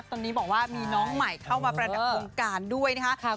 ตอนนี้บอกว่ามีน้องใหม่เข้ามาประดับวงการด้วยนะคะ